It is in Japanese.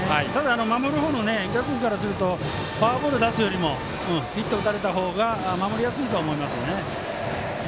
守る方も湯田君からするとフォアボール出すよりもヒットを打たれた方が守りやすいとは思いますね。